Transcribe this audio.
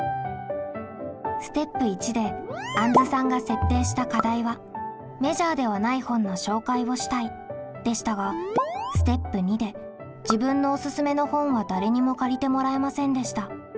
ステップ①であんずさんが設定した課題は「メジャーではない本の紹介をしたい」でしたがステップ②で自分のおすすめの本は誰にも借りてもらえませんでした。